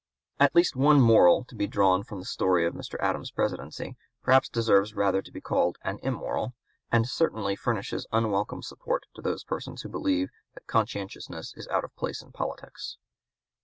At least one moral to be drawn from the story of Mr. Adams's Presidency perhaps deserves rather to be called an immoral, and certainly furnishes unwelcome support to those persons who believe that conscientiousness is out of place in politics.